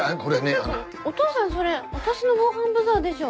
お父さんそれ私の防犯ブザーでしょ。